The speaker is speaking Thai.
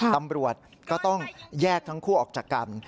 ตำรวจก็ต้องแยกทั้งคู่ออกจากกัน